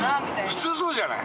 普通そうじゃない？